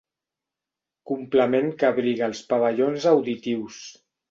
Complement que abriga els pavellons auditius.